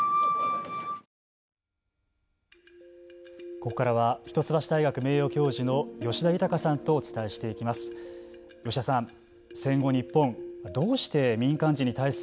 ここからは一橋大学名誉教授の吉田裕さんとお伝えしていきます。